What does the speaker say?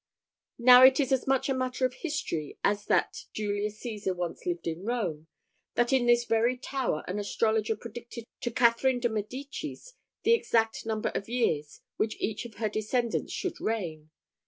Now it is as much a matter of history as that Julius Cæsar once lived at Rome, that in this very tower an astrologer predicted to Catherine de Medicis the exact number of years which each of her descendants should reign.